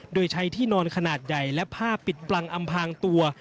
โดยใช้ที่นอนขนาดใหญ่และผ้าปิดปลังอำพางตัว